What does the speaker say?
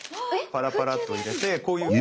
パラパラといれてこういうふうに。